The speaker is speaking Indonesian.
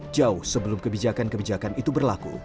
jauh sebelum kebijakan kebijakan itu berlaku